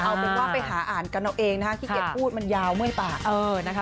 เอาเป็นว่าไปหาอ่านกันเอาเองนะคะขี้เกียจพูดมันยาวเมื่อยปาก